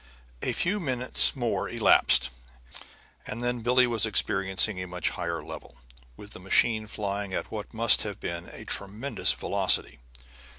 A few minutes more elapsed, and then Billie was experiencing a much higher level, with the machine flying at what must have been a tremendous velocity.